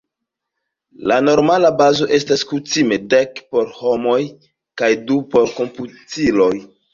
La normala bazo estas kutime dek por homoj kaj du por komputiloj.